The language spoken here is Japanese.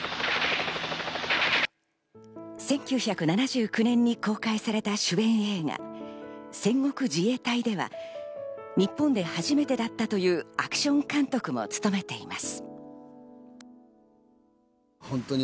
１９７９年に公開された主演映画『戦国自衛隊』では、日本で初めてだったというアクション監督も務めています。